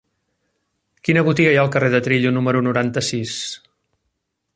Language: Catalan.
Quina botiga hi ha al carrer de Trillo número noranta-sis?